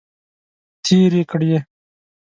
تیرې کړې.